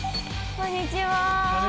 こんにちは。